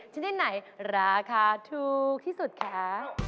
ชนิดไหนราคาถูกที่สุดคะ